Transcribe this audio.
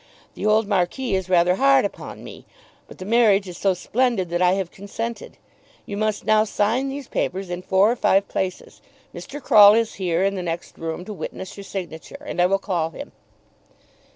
The old Marquis is rather hard upon me, but the marriage is so splendid that I have consented. You must now sign these papers in four or five places. Mr. Croll is here, in the next room, to witness your signature, and I will call him."